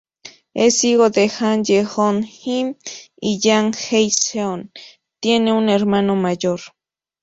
Es hijo de Han Yeong-im y Jang Hae-seon, tiene un hermano mayor.